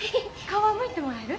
皮むいてもらえる？